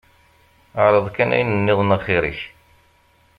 Ԑreḍ kan ayen nniḍen axir-ik.